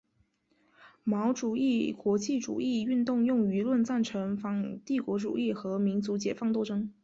毛主义国际主义运动用舆论赞成反帝国主义和民族解放斗争。